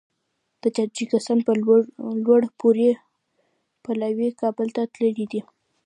د تاجکستان یو لوړپوړی پلاوی کابل ته تللی دی